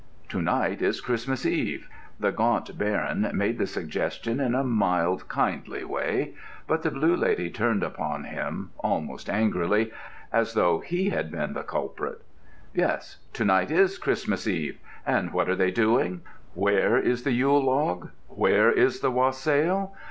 "To night is Christmas Eve." The Gaunt Baron made the suggestion in a mild, kindly way, but the Blue Lady turned upon him almost angrily, as though he had been the culprit. "Yes! To night is Christmas Eve. And what are they doing? Where is the Yule log? Where is the wassail?